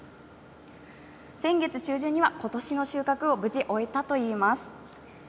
先月中旬にはことしの収穫を無事終えたということです。